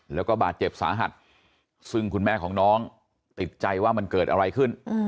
แล้วก็บาดเจ็บสาหัสซึ่งคุณแม่ของน้องติดใจว่ามันเกิดอะไรขึ้น